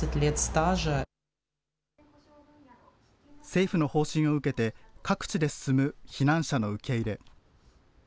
政府の方針を受けて、各地で進む避難者の受け入れ。